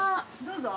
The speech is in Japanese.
どうぞ。